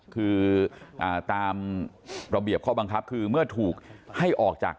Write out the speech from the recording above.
คือตามระเบียบข้อบังคับคือเมื่อถูกให้ออกจาก